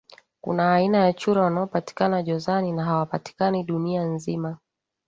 Kuna aina ya chura wanaopatikana jozani na hawapatikani dunia nzima